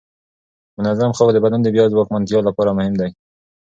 منظم خوب د بدن د بیا ځواکمنتیا لپاره مهم دی.